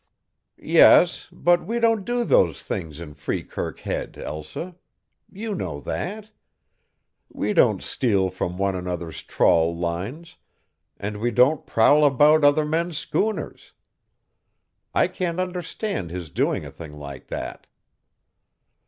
"Yes, but we don't do those things in Freekirk Head, Elsa. You know that. We don't steal from one another's trawl lines, and we don't prowl about other men's schooners. I can't understand his doing a thing like that."